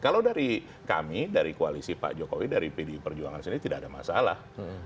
kalau dari kami dari koalisi pak jokowi dari pdi perjuangan sendiri tidak ada masalah